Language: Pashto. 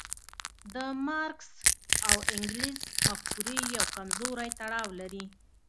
د مارکس او انګلز مفکورې یو کمزوری تړاو لري.